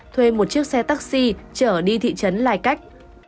thuê một chiếc xe taxi trở đi thị trấn lai cách